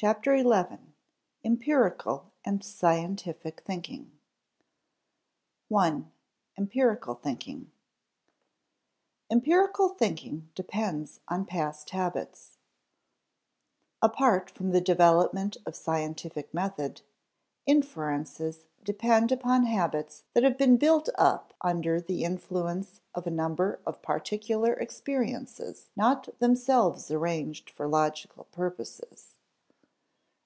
CHAPTER ELEVEN EMPIRICAL AND SCIENTIFIC THINKING § 1. Empirical Thinking [Sidenote: Empirical thinking depends on past habits] Apart from the development of scientific method, inferences depend upon habits that have been built up under the influence of a number of particular experiences not themselves arranged for logical purposes.